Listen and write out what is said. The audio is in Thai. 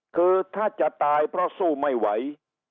คือถ้าจะตายเพราะสู้ไม่ไหว